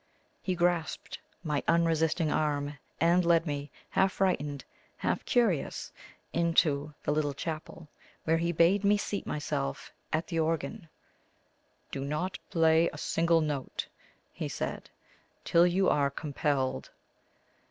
He grasped my unresisting arm, and led me, half frightened, half curious, into the little chapel, where he bade me seat myself at the organ. "Do not play a single note," he said, "till you are compelled."